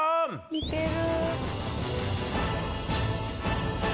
似てる。